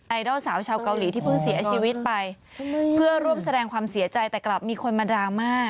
ดอลสาวชาวเกาหลีที่เพิ่งเสียชีวิตไปเพื่อร่วมแสดงความเสียใจแต่กลับมีคนมาดราม่า